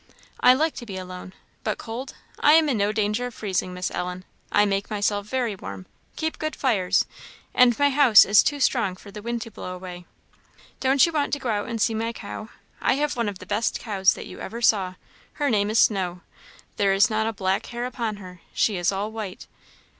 "I like to be alone but cold? I am in no danger of freezing, Miss Ellen. I make myself very warm keep good fires and my house is too strong for the wind to blow it away. Don't you want to go out and see my cow? I have one of the best cows that ever you saw; her name is Snow: there is not a black hair upon her; she is all white.